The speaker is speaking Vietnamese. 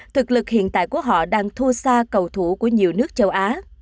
thực lực hiện tại của họ đang thua xa cầu thủ của nhiều nước châu á